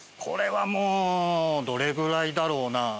これはもうどれぐらいだろうな。